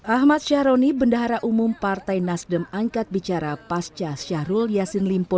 ahmad syahroni bendahara umum partai nasdem angkat bicara pasca syahrul yassin limpo